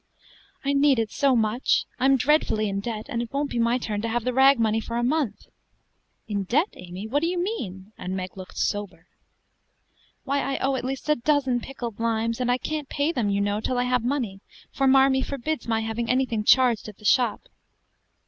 "I need it so much: I'm dreadfully in debt, and it won't be my turn to have the rag money for a month." "In debt, Amy: what do you mean?" and Meg looked sober. "Why, I owe at least a dozen pickled limes; and I can't pay them, you know, till I have money, for Marmee forbids my having anything charged at the shop."